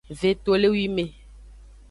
Vetolewime.